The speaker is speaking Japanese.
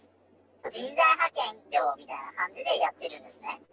人材派遣業みたいな感じでやってるんですね。